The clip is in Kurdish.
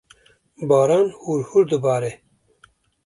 Baran hûrhûr dibare.